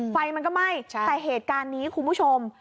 ไฟมันก็ไหม้แต่เหตุการณ์นี้คุณผู้ชม